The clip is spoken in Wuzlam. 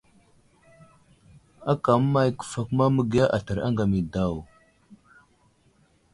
Aka əmay kəfakuma məgiya aslər aŋgam yo daw ?